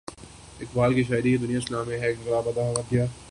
اقبال کی شاعری نے دنیائے اسلام میں ایک انقلاب پیدا کر دیا۔